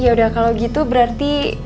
yaudah kalau gitu berarti